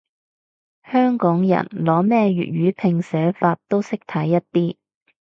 香港人，攞咩粵語拼寫法都識睇一啲